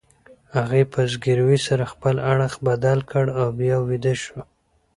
هغې په زګیروي سره خپل اړخ بدل کړ او بیا ویده شوه.